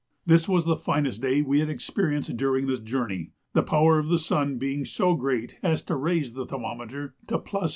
This was the finest day we had experienced during this journey, the power of the sun being so great as to raise the thermometer to +82°.